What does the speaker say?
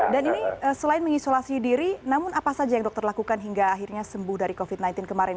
dan ini selain mengisolasi diri namun apa saja yang dokter lakukan hingga akhirnya sembuh dari covid sembilan belas kemarin